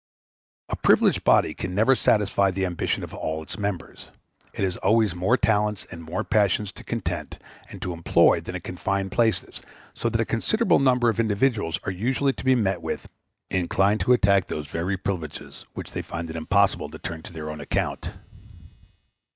A privileged body can never satisfy the ambition of all its members; it has always more talents and more passions to content and to employ than it can find places; so that a considerable number of individuals are usually to be met with who are inclined to attack those very privileges which they find it impossible to turn to their own account.